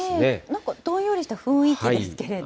なんかどんよりした雰囲気ですけれど。